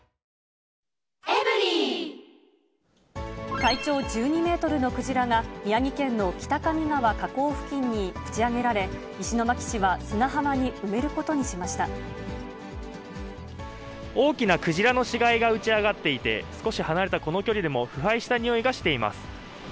体長１２メートルのクジラが宮城県の北上川河口付近に打ち上げられ、石巻市は砂浜に埋めるこ大きなクジラの死骸が打ち上がっていて、少し離れたこの距離でも、腐敗した臭いがしています。